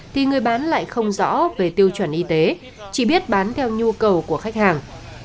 thì người bán lại không rõ về tiêu chuẩn y tế chỉ biết bán theo nhu cầu của khách hàng